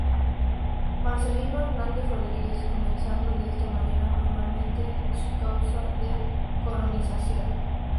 Marcelino Hernández Rodríguez comenzando de esta manera formalmente su causa de canonización.